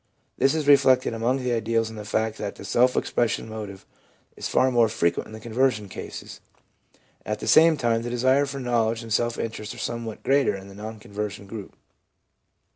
This is reflected among the ideals in the fact that the self expression motive is far more frequent in the conversion cases. At the same time, the desire for knowledge and self interest are somewhat greater in the non conversion group.